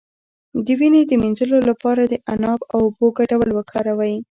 د وینې د مینځلو لپاره د عناب او اوبو ګډول وکاروئ